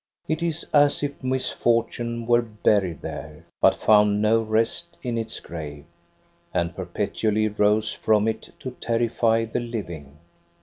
It is as if niisfortune were buried there, but found no rest in its grave, and perpetually rose from it to terrify the living.